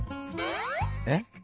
えっ？